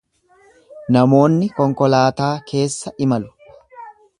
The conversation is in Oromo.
Namoonni konkolaataa keessa imalu.